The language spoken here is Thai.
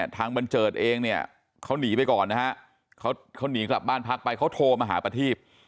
ทางบันเจิดเองเนี่ยเขาหนีไปก่อนนะฮะเขาหนีกลับบ้านพักไปเขาโทรมาหาประทีพ